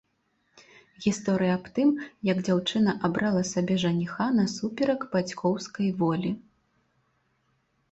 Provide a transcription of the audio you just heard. Гісторыя аб тым, як дзяўчына абрала сабе жаніха насуперак бацькоўскай волі.